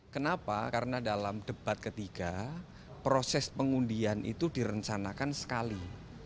kenapa karena dalam debat ketiga proses pengundian itu direncanakan sekali